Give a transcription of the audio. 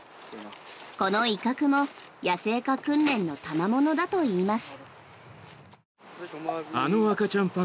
この威嚇も、野生化訓練のたまものだといいます。